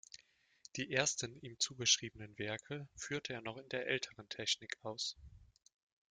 Die ersten ihm zugeschriebenen Werke führte er noch in der älteren Technik aus.